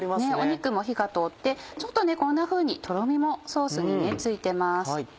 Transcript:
肉も火が通ってちょっとこんなふうにとろみもソースについてます。